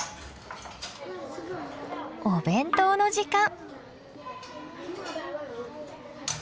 お弁当の時間。